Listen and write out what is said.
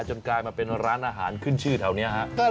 กลายมาเป็นร้านอาหารขึ้นชื่อแถวนี้ฮะ